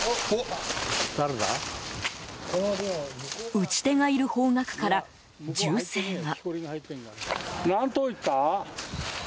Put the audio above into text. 撃ち手がいる方角から銃声が。